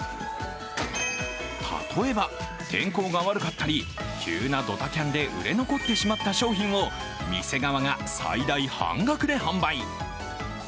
例えば天候が悪かったり急なドタキャンで売れ残ってしまった商品を店側が最大半額で販売。